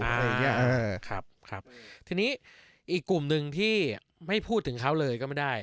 อ่าครับครับทีนี้อีกกลุ่มหนึ่งที่ไม่พูดถึงเขาเลยก็ไม่ได้